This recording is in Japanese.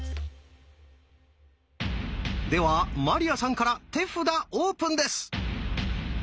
では鞠杏さんから手札オープンです！